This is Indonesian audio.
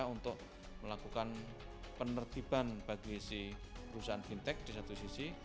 untuk melakukan penertiban bagi si perusahaan fintech di satu sisi